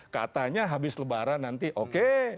katanya habis lebaran nanti oke